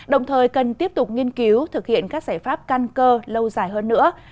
đồng thời cần tiếp tục nghiên cứu thực hiện các giải pháp căn cơ lâu dài hơn nữa